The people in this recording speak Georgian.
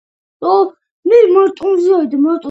სახლები ერთმანეთს უკავშირდება თაღოვანი კარიბჭით.